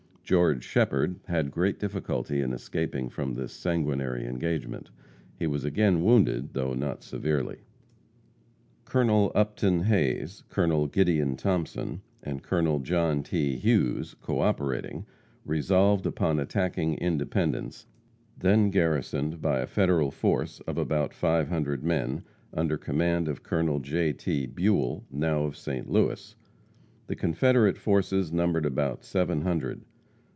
George Shepherd had great difficulty in escaping from this sanguinary engagement. He was again wounded, though not severely. Col. Upton Hayes, Col. Gideon Thompson and Col. John T. Hughes, co operating, resolved upon attacking Independence, then garrisoned by a Federal force of about five hundred men, under command of Col. J. T. Buell, now of St. Louis. The Confederate forces numbered about seven hundred.